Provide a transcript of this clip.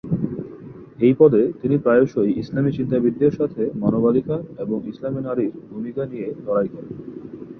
এই পদে, তিনি প্রায়শই ইসলামী চিন্তাবিদদের সাথে মানবাধিকার এবং ইসলামে নারীর ভূমিকা নিয়ে লড়াই করেন।